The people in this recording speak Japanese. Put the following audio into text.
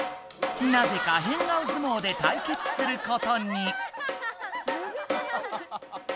なぜか変顔相撲で対決することに！